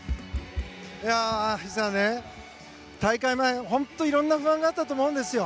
乾さんね、大会前本当にいろんな不安があったと思うんですよ。